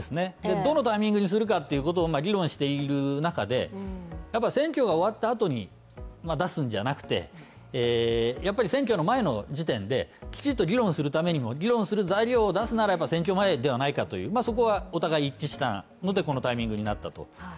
どのタイミングにするかっていうことを議論している中で、選挙が終わった後に出すんじゃなくて、やっぱり選挙前の時点できちんと議論するためにも議論する材料を出すならば選挙前ではないかというそこはお互い一致したのでこのタイミングになったと。